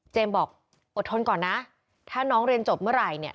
บอกอดทนก่อนนะถ้าน้องเรียนจบเมื่อไหร่เนี่ย